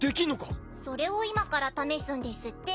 それを今から試すんですって。